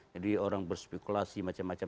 jadi orang berspekulasi macam macam